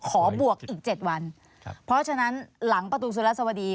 บวกอีกเจ็ดวันเพราะฉะนั้นหลังประตูสุรสวดี